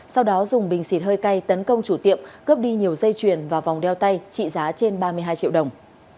sau đó dùng bình xịt hơi cay tấn công chủ tiệm cướp đi nhiều dây chuyền và vòng đeo tay trị giá trên ba mươi hai triệu đồng